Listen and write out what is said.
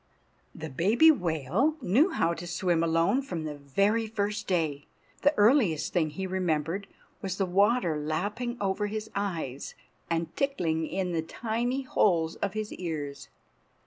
The baby whale knew how to swim alone from the very first day. The earliest thing he remembered was the water lapping over his eyes and tickling in the tiny holes of his ears.